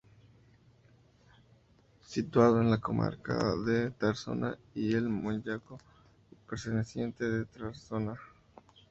Situado en la comarca de Tarazona y el Moncayo y perteneciente al de Tarazona.